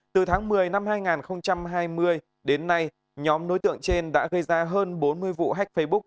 từ tháng một mươi năm hai nghìn hai mươi đến nay nhóm đối tượng trên đã gây ra hơn bốn mươi vụ hách facebook